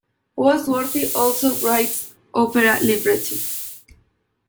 Goldsworthy also writes opera libretti.